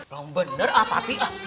kalo bener ah papi